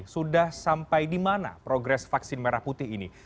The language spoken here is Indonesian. sudah sampai di mana progres vaksin merah putih ini